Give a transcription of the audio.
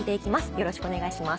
よろしくお願いします。